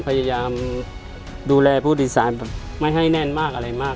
พยายามดูแลผู้โดยสารแบบไม่ให้แน่นมากอะไรมาก